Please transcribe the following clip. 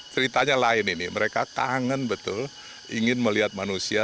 ceritanya lain ini mereka kangen betul ingin melihat manusia